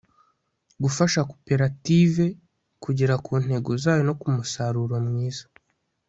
gufasha koperative kugera ku ntego zayo no ku musaruro mwiza